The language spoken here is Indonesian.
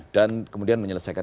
dan kemudian menyelesaikan